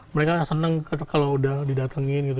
mereka senang kalau udah didatengin gitu